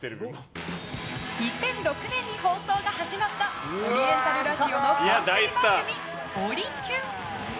２００６年に放送が始まったオリエンタルラジオの冠番組「オリキュン」。